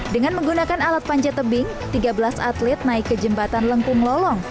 dengan menggunakan alat panjat tebing tiga belas atlet naik ke jembatan lengkung lolong